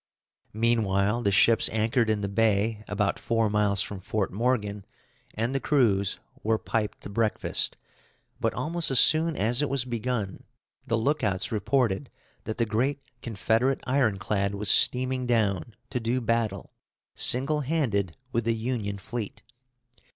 Meanwhile the ships anchored in the bay, about four miles from Fort Morgan, and the crews were piped to breakfast; but almost as soon as it was begun, the lookouts reported that the great Confederate ironclad was steaming down, to do battle, single handed, with the Union fleet.